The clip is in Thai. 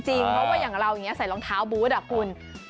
เพราะว่าอย่างเราอย่างนี้ใส่รองเท้าบูธอ่ะคุณ